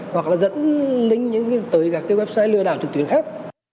hoặc là dẫn link tới các cái website lừa đảo trực tuyến khác